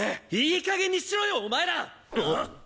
いい加減にしろよお前ら！